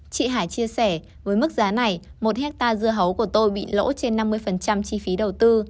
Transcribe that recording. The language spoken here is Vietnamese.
chị hải chia sẻ với mức giá này một hectare dưa hấu của tôi bị lỗ trên năm mươi chi phí đầu tư